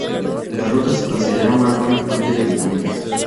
La fruta se considera una buena fuente de vitaminas.